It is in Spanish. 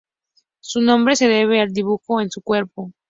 Su nombre se debe al dibujo en su cuerpo.